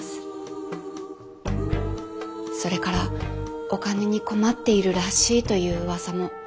それからお金に困っているらしいといううわさも。